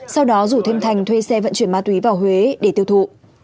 sau đó rủ thêm thành thuê xe vận chuyển ma túy vào huế để tiêu thụ